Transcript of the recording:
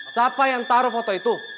siapa yang taruh foto itu